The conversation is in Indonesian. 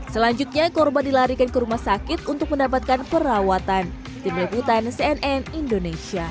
selanjutnya korban dilarikan ke rumah sakit untuk mendapatkan perawatan